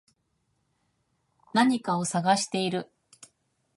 何かを探している